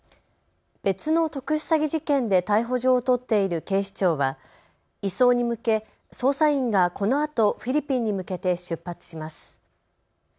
別の特殊詐欺事件で逮捕状を取っている警視庁は移送に向け捜査員がこのあとフィリピンに向けて出発します。